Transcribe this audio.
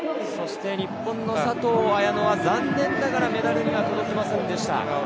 日本の佐藤綾乃は残念ながらメダルに届きませんでした。